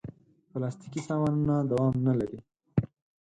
پلاستيکي سامانونه دوام نه لري.